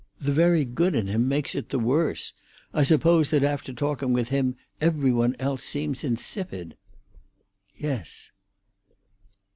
The very good in him makes it the worse. I suppose that after talking with him every one else seems insipid." "Yes."